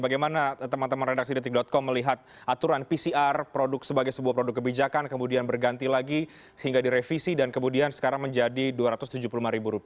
bagaimana teman teman redaksi detik com melihat aturan pcr sebagai sebuah produk kebijakan kemudian berganti lagi hingga direvisi dan kemudian sekarang menjadi rp dua ratus tujuh puluh lima